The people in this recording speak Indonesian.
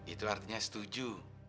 itu artinya setuju